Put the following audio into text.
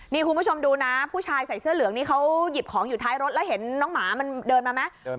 นี่คุณผู้ชมดูนะผู้ชายใส่เสื้อเหลืองนี่เขาหยิบของอยู่ท้ายรถแล้วเห็นน้องหมามันเดินมาไหม